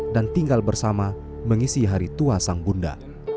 dan tinggal bersama mengisi hari tua sang bunda